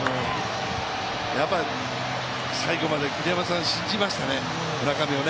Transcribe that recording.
最後まで栗山さん、信じましたね、村上をね。